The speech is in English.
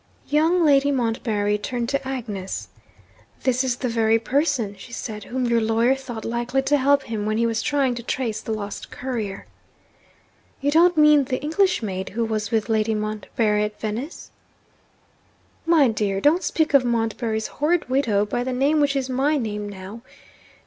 Young Lady Montbarry turned to Agnes. 'This is the very person,' she said, 'whom your lawyer thought likely to help him, when he was trying to trace the lost courier.' 'You don't mean the English maid who was with Lady Montbarry at Venice?' 'My dear! don't speak of Montbarry's horrid widow by the name which is my name now.